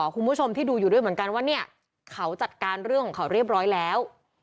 คุณผู้ชมที่ดูอยู่ด้วยเหมือนกันว่าเนี่ยเขาจัดการเรื่องของเขาเรียบร้อยแล้ว